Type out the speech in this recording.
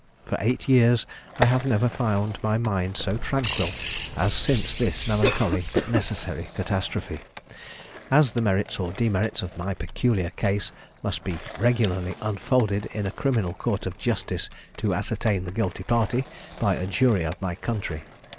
For eight years I have never found my mind so tranquil as since this melancholy but necessary catastrophe: as the merits or demerits of my peculiar case must be regularly unfolded in a criminal court of justice to ascertain the guilty party, by a jury of my country.